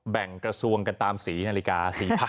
แบ่งกระทรวงกันตามสีนาฬิกา๔๐๐